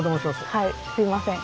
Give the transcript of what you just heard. すみません。